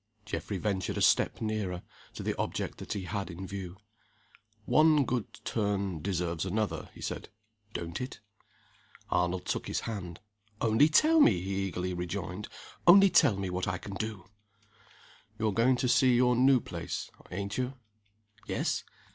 Geoffrey ventured a step nearer to the object that he had in view. "One good turn deserves another," he said, "don't it?" Arnold took his hand. "Only tell me!" he eagerly rejoined "only tell me what I can do!" "You are going to day to see your new place, ain't you?" "Yes."